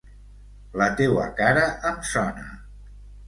La teua cara em sona!